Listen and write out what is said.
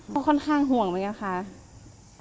ก็ค่อนข้างห่วงเหมือนกันค่ะ